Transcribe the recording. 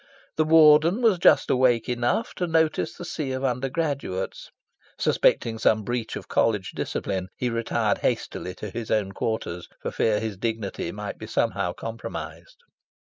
The Warden was just awake enough to notice the sea of undergraduates. Suspecting some breach of College discipline, he retired hastily to his own quarters, for fear his dignity might be somehow compromised.